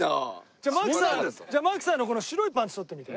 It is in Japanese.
じゃあ槙さんじゃあ槙さんのこの白いパンツ撮ってみて。